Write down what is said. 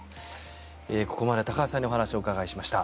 ここまで高橋さんにお話をお伺いしました。